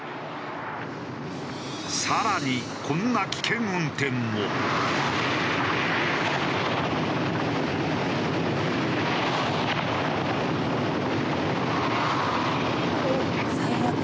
更にこんな危険運転も。おっ！